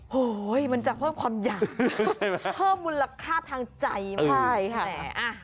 โห้ยมันจะเพิ่มความอยากเพิ่มมูลคาบทางใจใช่ค่ะ